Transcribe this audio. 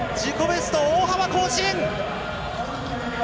ベスト大幅更新！